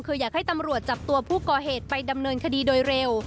คืออยากให้ตำรวจจับตัวผู้ก่อเหตุไปดำเนินคดีโดยเร็ว